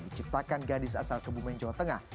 diciptakan gadis asal kebumen jawa tengah